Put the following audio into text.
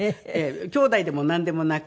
きょうだいでもなんでもなく。